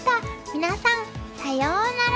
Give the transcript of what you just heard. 皆さんさようなら！